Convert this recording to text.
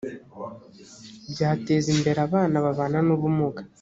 byateza imbere abana babana n ubumuga